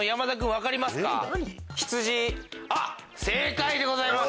あっ正解でございます。